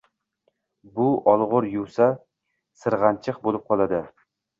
Bu o‘lgur yuvsa sirg‘anchiq bo‘lib qoladi.